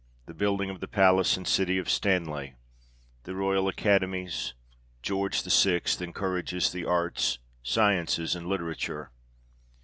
The building of the palace and city of Stanley. The Royal Academies. George VI. encourages the Arts, Sciences, and Literature.